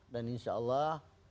dan insya allah